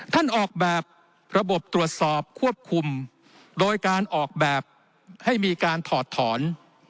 ออกแบบระบบตรวจสอบควบคุมโดยการออกแบบให้มีการถอดถอน